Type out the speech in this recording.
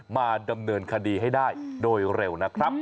มาดำเนินคดีให้ได้โดยเร็วนะครับ